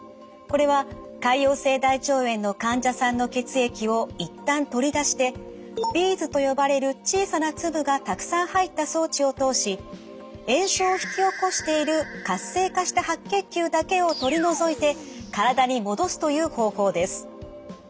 これは潰瘍性大腸炎の患者さんの血液を一旦取り出してビーズと呼ばれる小さな粒がたくさん入った装置を通し炎症を引き起こしている活性化した白血球だけを取り除いて体に戻すという方法です。